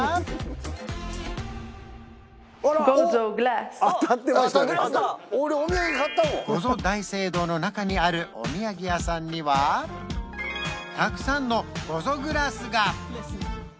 ゴゾ大聖堂の中にあるお土産屋さんにはたくさんのゴゾグラスが！